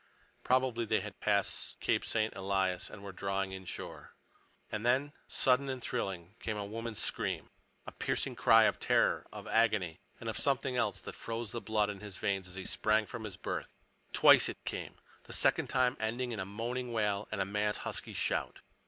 Probably they had passed Cape St. Elias and were drawing inshore. And then, sudden and thrilling, came a woman's scream. A piercing cry of terror, of agony—and of something else that froze the blood in his veins as he sprang from his berth. Twice it came, the second time ending in a moaning wail and a man's husky shout.